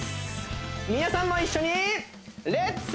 皆さんも一緒にレッツ！